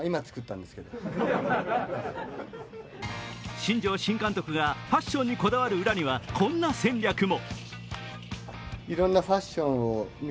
新庄新監督がファッションにこだわる裏にはこんな戦略も。